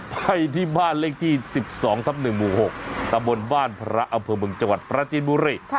ไปที่บ้านเลขที่๑๒ทับ๑หมู่๖ตะบนบ้านพระอำเภอเมืองจังหวัดปราจีนบุรี